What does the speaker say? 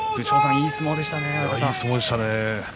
いい相撲でしたね。